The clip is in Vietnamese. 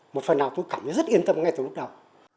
một phần nào tôi cảm thấy rất yên tâm ngay từ lúc đầu